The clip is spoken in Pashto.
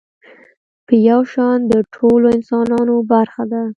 په يو شان د ټولو انسانانو برخه ده.